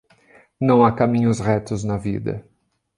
Não há caminhos retos na vida.